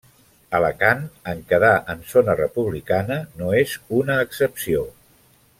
Alacant, en quedar en zona republicana, no és una excepció.